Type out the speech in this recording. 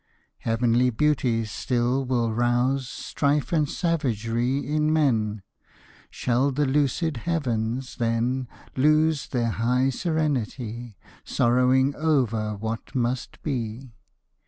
Heavenly beauties still will rouse Strife and savagery in men: Shall the lucid heavens, then, Lose their high serenity, Sorrowing over what must be?